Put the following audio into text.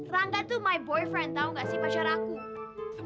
rangga tuh my boyfriend tau gak sih pasar aku